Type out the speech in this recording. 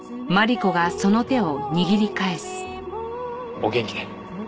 お元気で。